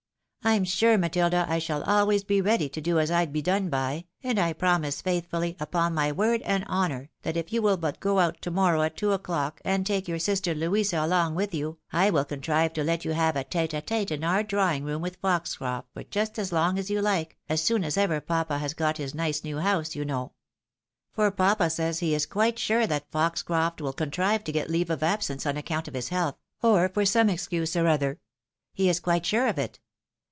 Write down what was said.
I'm sure, Matilda, I shall always be ready to do as I'd be done by, and I promise faithfully, upon my word and hon our, that if you will but go, out to morrow at two o'clock, and take your sister Louisa along with you, I will contrive to let you have a tete a tete ui our drawing room with Foxcroft, for just as long as you Uke, as soon as ever papa has got his nice new house, you know. For papa says he is quite sure that Foxcroft will contrive to get leave of absence on account of his health, or for some excuse or other. He is quite sure of it.